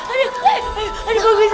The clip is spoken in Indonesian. aduh aduh aduh